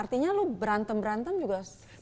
artinya lu berantem berantem juga sulit